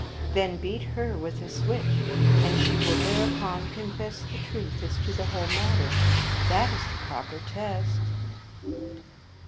Then beat her with a switch, and she will thereupon confess the truth as to th(* whole matter. That is the proper test."